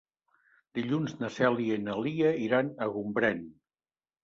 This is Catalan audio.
Dilluns na Cèlia i na Lia iran a Gombrèn.